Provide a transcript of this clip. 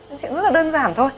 nói chuyện rất là đơn giản thôi